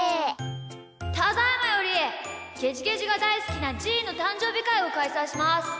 ただいまよりゲジゲジがだいすきなじーのたんじょうびかいをかいさいします。